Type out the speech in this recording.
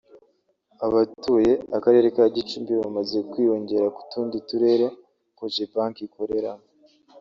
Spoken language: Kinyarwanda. abatuye akarere ka Gicumbi bamaze kwiyongera ku tundi turere Cogebanque ikoreramo